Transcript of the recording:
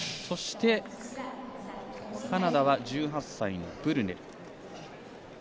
そして、カナダは１８歳のブルネル。